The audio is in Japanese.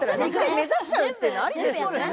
目指しちゃうっていうのありですよね。